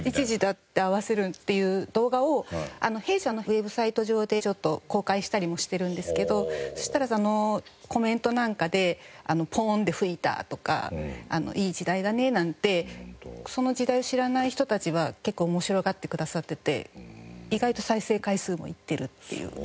「１時だ」って合わせるっていう動画を弊社のウェブサイト上でちょっと公開したりもしてるんですけどそしたらコメントなんかで「ポーンで吹いた」とか「いい時代だね」なんてその時代を知らない人たちは結構面白がってくださってて意外と再生回数もいってるっていう。